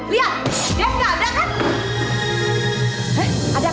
lihat dev gak ada kan